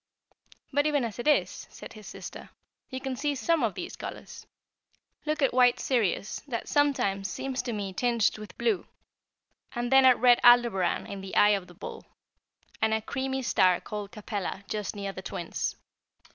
"But even as it is," said his sister, "you can see some of these colors. Look at white Sirius, that sometimes seems to me tinged with blue, and then at red Aldebaran in the eye of the bull, and a creamy star called Capella just near the Twins.